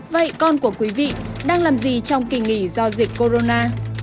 vậy con của quý vị đang làm gì trong kỳ nghỉ do dịch corona